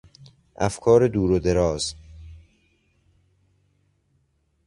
افکار دور و دراز